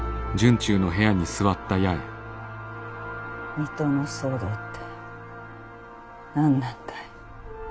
水戸の騒動って何なんだい？